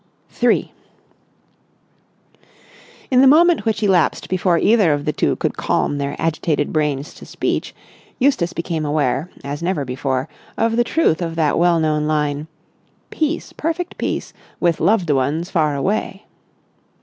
§ 3 In the moment which elapsed before either of the two could calm their agitated brains to speech, Eustace became aware, as never before, of the truth of that well known line—"Peace, perfect peace, with loved ones far away."